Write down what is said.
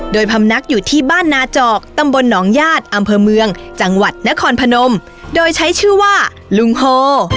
โดยพำนักอยู่ที่บ้านนาจอกตำบลหนองญาติอำเภอเมืองจังหวัดนครพนมโดยใช้ชื่อว่าลุงโฮ